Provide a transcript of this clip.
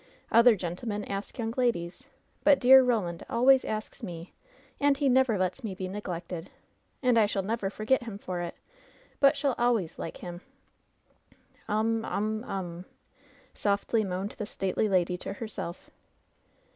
Other gentlemen ask young ladies; but dear Roland always asks me, and he never lets me be neglected. And I shall never forget him for it, but shall always like him.'' "TJm, um, um !" softly moaned the stately lady to her self.